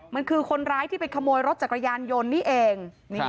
มันคือคนร้ายที่ไปขโมยรถจักรยานยนต์นี่เอง